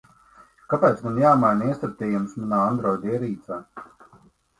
Kāpēc man jāmaina iestatījums manā android ierīcē?